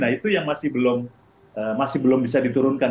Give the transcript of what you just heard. nah itu yang masih belum bisa diturunkan